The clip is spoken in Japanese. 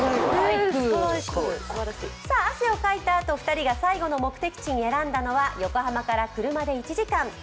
さあ、汗をかいたあと２人が最後の目的地に選んだのは横浜から車で１時間。